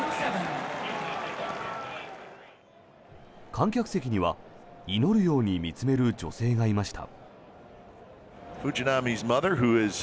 観客席には祈るように見つめる女性がいました。